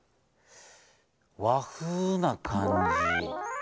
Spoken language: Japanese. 和風な感じ。